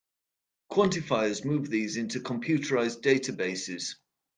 Quantifiers move these into computerized databases.